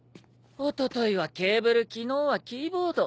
おとといはケーブル昨日はキーボード。